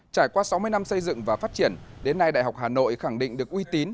trải qua sáu mươi năm xây dựng và phát triển đến nay đại học hà nội khẳng định được uy tín